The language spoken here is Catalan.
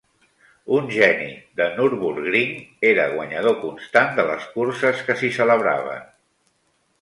Un geni de Nürburgring, era guanyador constant de les curses que s'hi celebraven.